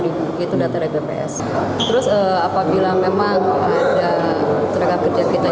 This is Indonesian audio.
ada tenaga kerja kita yang berada di kabupaten tangerang memang ada jkp yang menanggung perjalanan